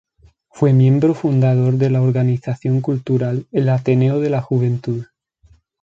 Fue miembro fundador de la organización cultural "El Ateneo de la Juventud".